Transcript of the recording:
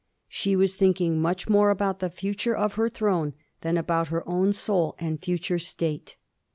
She was thinking much more about the foture of her throne than about her own soul and future state.